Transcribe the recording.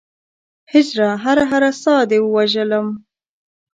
هجره! هره هره ساه دې ووژلم